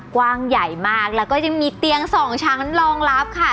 กว้างใหญ่มากแล้วก็ยังมีเตียงสองชั้นรองรับค่ะ